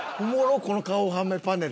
この顔はめパネル。